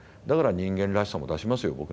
だから人間らしさも出しますよ。